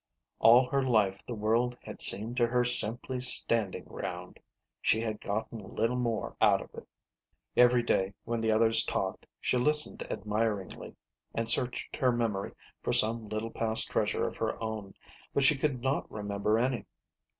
All her life the world had seemed to her simply standing ground; she had gotten little more out of it. Every day, when the others talked, she listened admiring ly, and searched her memory for some little past treasure of her own, but she could not remember any.